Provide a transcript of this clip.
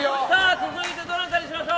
続いて、どなたにしましょう？